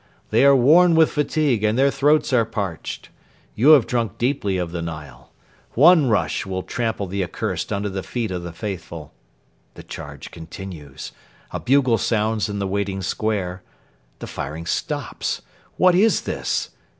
They are worn with fatigue and their throats are parched. You have drunk deeply of the Nile. One rush will trample the accursed under the feet of the faithful. The charge continues. A bugle sounds in the waiting square. The firing stops. What is this?